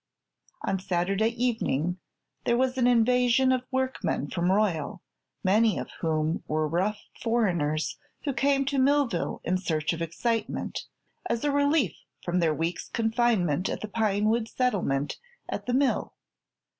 On Saturday evening there was an invasion of workmen from Royal, many of whom we're rough foreigners who came to Millville in search of excitement, as a relief from their week's confinement at the pine woods settlement at the mill.